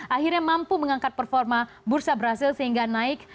akhirnya mampu mengangkat performa bursa brazil sehingga naik